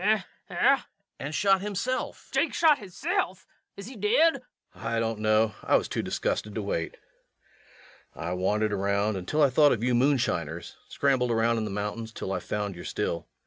Eh ... eh? REVENUE. And shot himself. LUKE. Jake shot hisself!... Is he dead? REVENUE. I don't know I was too disgusted to wait. I wandered around until I thought of you moonshiners ... scrambled around in the mountains until I found your still.